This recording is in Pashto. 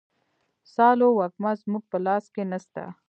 سالو وږمه زموږ په لاس کي نسته.